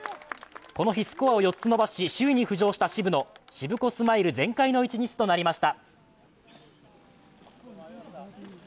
この日、スコアを４つ伸ばし首位に浮上した渋野しぶこスマイル全開の一日となりました。